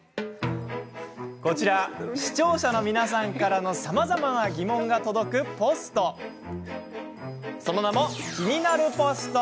こちら視聴者の皆さんからのさまざまな疑問が届くポスト。